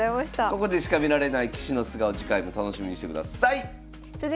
ここでしか見られない棋士の素顔次回も楽しみにしてください。